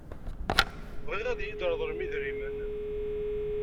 Bɣiɣ ad iyi-d-treḍlem idrimen.